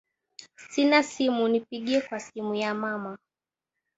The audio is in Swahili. Sina simu nilipigie kwa simu ya mama